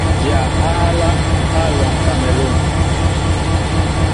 Ǹ dya á ehálā , Á alɔŋ kamelûn.